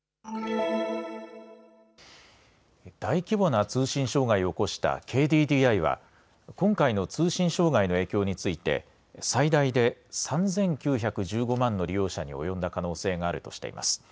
大規模な通信障害を起こしたＫＤＤＩは今回の通信障害の影響について最大で３９１５万の利用者に及んだ可能性があるとしています。